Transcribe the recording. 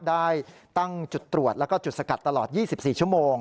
ได้ตั้งจุดตรวจแล้วก็จุดสกัดตลอด๒๔ชั่วโมง